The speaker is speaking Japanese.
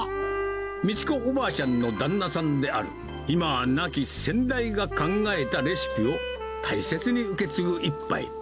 美智子おばあちゃんの旦那さんである、今は亡き先代が考えたレシピを、大切に受け継ぐ一杯。